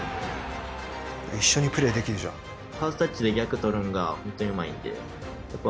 一緒にプレーできるじゃん。いいね！